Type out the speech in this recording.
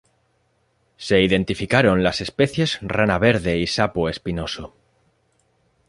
Se identificaron las especies rana verde y sapo espinoso.